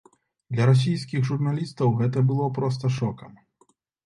Для расійскіх журналістаў гэта было проста шокам.